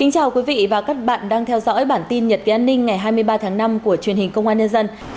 chào mừng quý vị đến với bản tin nhật ký an ninh ngày hai mươi ba tháng năm của truyền hình công an nhân dân